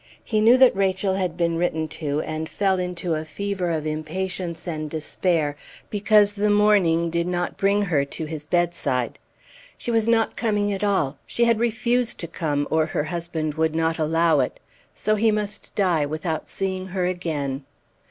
He knew that Rachel had been written to, and fell into a fever of impatience and despair because the morning did not bring her to his bedside. She was not coming at all. She had refused to come or her husband would not allow it. So he must die without seeing her again!